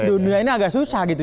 dunia ini agak susah gitu